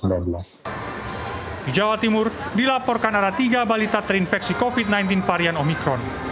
di jawa timur dilaporkan ada tiga balita terinfeksi covid sembilan belas varian omikron